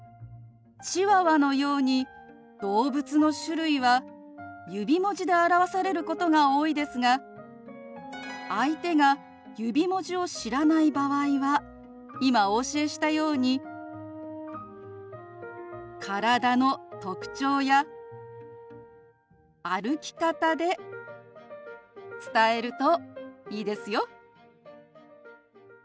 チワワのように動物の種類は指文字で表されることが多いですが相手が指文字を知らない場合は今お教えしたように体の特徴や歩き方で伝えるといいですよ。